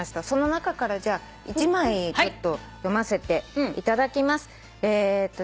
その中からじゃあ１枚読ませていただきます。